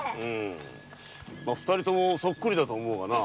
二人ともそっくりだと思うがな。